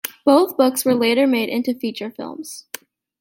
Both books were later made into feature films.